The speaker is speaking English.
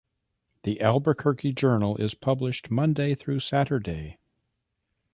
The "Albuquerque Journal" is published Monday through Saturday.